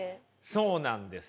そうなんですよ。